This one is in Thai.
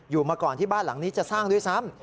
มาก่อนที่บ้านหลังนี้จะสร้างด้วยซ้ำ